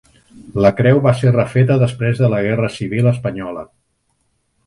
La creu va ser refeta després de la Guerra Civil espanyola.